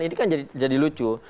ini kan jadi lucu